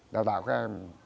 đào tạo các em